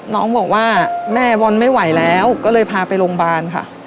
น้องบอกว่าแม่บอลไม่ไหวแล้วก็เลยพาไปโรงพยาบาลค่ะ